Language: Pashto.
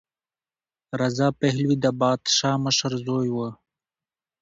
رضا پهلوي د پادشاه مشر زوی و.